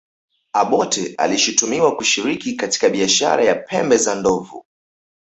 obote alishutumiwa kushiriki katika biashara ya pembe za ndovu